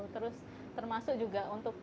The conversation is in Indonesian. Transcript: terus termasuk juga untuk